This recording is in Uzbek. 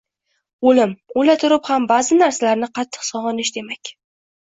O’lim – o’la turib ham ba’zi narsalarni qattiq sog’inish demak.